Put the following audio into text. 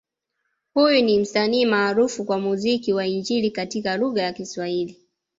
Huyu ni msanii maarufu wa muziki wa Injili katika lugha ya swahili